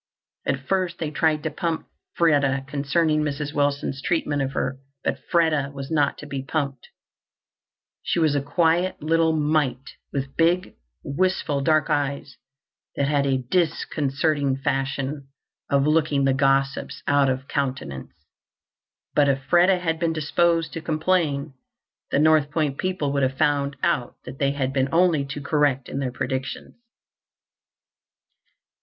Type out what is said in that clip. At first they tried to pump Freda concerning Mrs. Wilson's treatment of her, but Freda was not to be pumped. She was a quiet little mite, with big, wistful dark eyes that had a disconcerting fashion of looking the gossips out of countenance. But if Freda had been disposed to complain, the North Point people would have found out that they had been only too correct in their predictions.